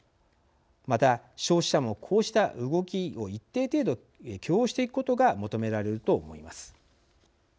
また消費者もこうした動きを一定程度許容していくことが求められると思います。